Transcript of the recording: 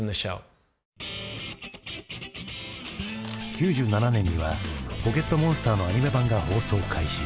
９７年には「ポケットモンスター」のアニメ版が放送開始。